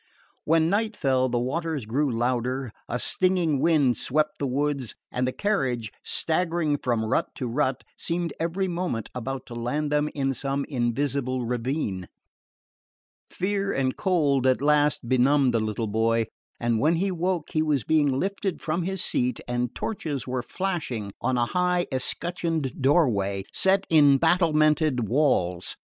When night fell the waters grew louder, a stinging wind swept the woods, and the carriage, staggering from rut to rut, seemed every moment about to land them in some invisible ravine. Fear and cold at last benumbed the little boy, and when he woke he was being lifted from his seat and torches were flashing on a high escutcheoned doorway set in battlemented walls.